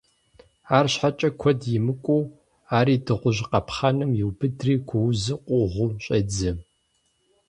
АрщхьэкӀэ, куэд имыкӀуу ари дыгъужь къапхъэным еубыдри гуузу къугъыу щӀедзэ.